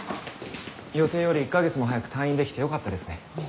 予定より１カ月も早く退院できてよかったですね。